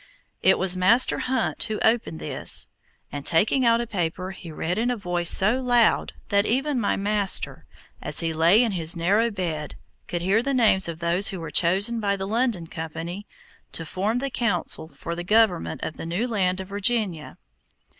It was Master Hunt who opened this, and, taking out a paper, he read in a voice so loud that even my master, as he lay in his narrow bed, could hear the names of those who were chosen by the London Company to form the Council for the government of the new land of Virginia.